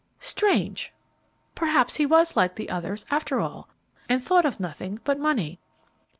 "Strange! Perhaps he was like the others, after all, and thought of nothing but money."